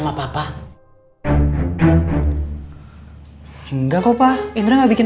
maslah apa dia yang nama language itu jangan saya itu